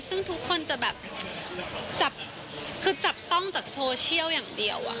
ซึ่งทุกคนจะแบบจับคือจับต้องจากโซเชียลอย่างเดียว